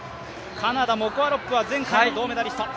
カナダ、モコ・アロップは前回の銅メダリスト。